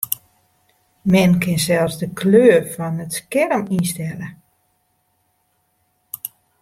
Men kin sels de kleur fan it skerm ynstelle.